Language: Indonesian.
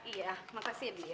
iya makasih ya beli